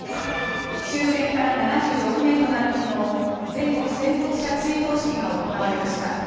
終戦から７６年となる昨日全国戦没者追悼式が行われました。